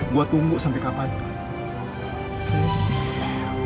gue tunggu sampai kapanpun